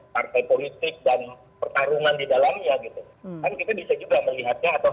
partai politik dan pertarungan di dalamnya gitu kan kita bisa juga melihatnya atau